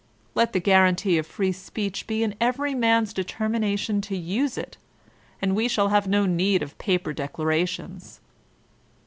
Let the guarantee of free speech be in every man's determination to use it, and we shall have no need of paper declarations.